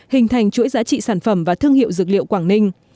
hình thành chuỗi giá trị sản phẩm và thương hiệu dược liệu quảng ninh